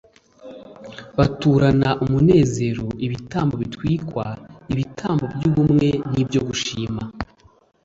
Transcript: baturana umunezero ibitambo bitwikwa, ibitambo by'ubumwe n'ibyo gushimira